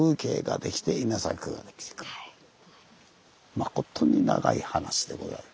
まことに長い話でございます。